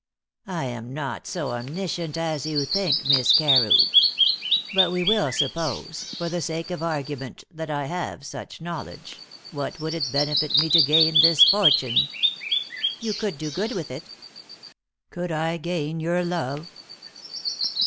"I am not so omniscient as you think, Miss Carew. But we will suppose, for the sake of argument, that I have such knowledge: what would it benefit me to gain this fortune?" "You could do good with it." "Could I gain your love?"